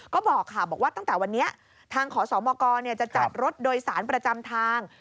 ก็บอกค่ะบอกว่าตั้งแต่วันนี้ทางขอสมกจะจัดรถโดยสารประจำทาง